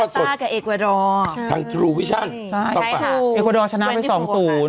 ซ่ากับเอกวาดอร์ทางทรูวิชั่นใช่ต่างเอกวาดอร์ชนะไปสองศูนย์